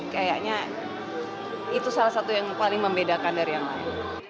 kayaknya itu salah satu yang paling membedakan dari yang lain